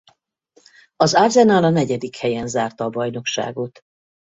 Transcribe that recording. Az Arsenal a negyedik helyen zárta a bajnokságot.